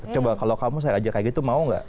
coba kalau kamu saya ajak kayak gitu mau gak